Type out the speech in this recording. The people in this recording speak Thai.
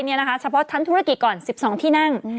เฉพาะชั้นธุรกิจก่อน๑๒ที่นั่ง